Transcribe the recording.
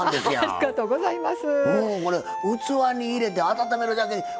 ありがとうございます。